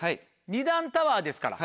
２段タワーですから。